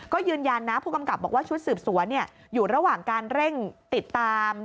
ก็ยืนยันนะผู้กำกับบอกว่าชุดสืบสวนอยู่ระหว่างการเร่งติดตาม